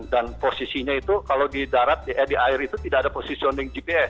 dan posisinya itu kalau di darat di air itu tidak ada positioning gps